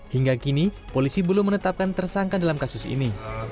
hingga kini polisi belum menetapkan tersangka dalam kasus ini